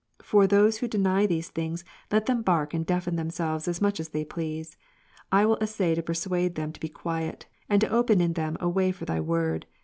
For those who deny these things, let them bark and deafen themselves as much as they please ; I will essay to persuade them to quiet, and to open in them a way for Thy word.